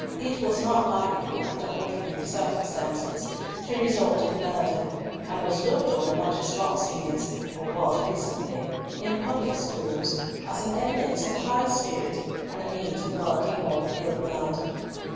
It was not likely, under ordinary circumstances, to result in murder, and was looked on much as boxing is, or was recently, in public schools, as an evidence of high spirit, and a means of working off ill blood.